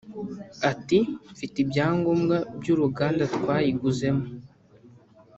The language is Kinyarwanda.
Ati “ Mfite ibyangombwa by’uruganda twayiguzemo